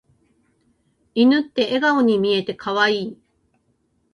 犬って笑顔に見えて可愛い。